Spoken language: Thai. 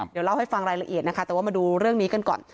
เดี๋ยวเล่าให้ฟังรายละเอียดนะคะแต่ว่ามาดูเรื่องนี้กันก่อน